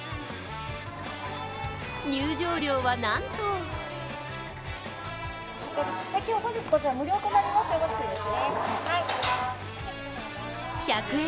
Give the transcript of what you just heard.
入場料はなんと１００円